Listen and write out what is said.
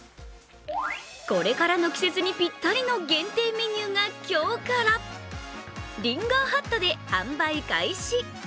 これからの季節にぴったりの限定メニューが今日から、リンガーハットで販売開始。